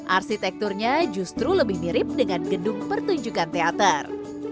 arsitekturnya justru lebih mirip dengan gedung pertunjukan teater